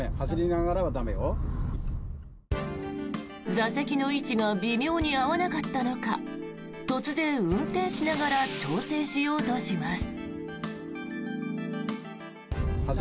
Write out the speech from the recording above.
座席の位置が微妙に合わなかったのか突然、運転しながら調整しようとします。